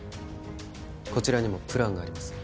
こちらにもプランがあります